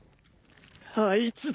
あいつだ！